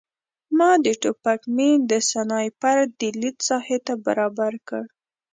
ما د ټوپک میل د سنایپر د لید ساحې ته برابر کړ